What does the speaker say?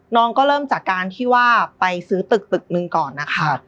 น้องก็เริ่มจากการที่ว่าไปซื้อตึกตึกหนึ่งก่อนนะคะ